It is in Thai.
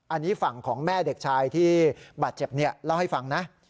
อันนี้ฝั่งของแม่เด็กชายที่บาดเจ็บเล่าให้ฟังนะ